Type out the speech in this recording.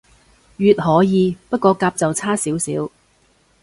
乙可以，不過甲就差少少